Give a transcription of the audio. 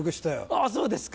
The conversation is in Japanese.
あぁそうですか。